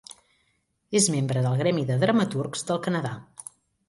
És membre del Gremi de Dramaturgs del Canadà.